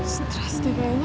stres deh kayaknya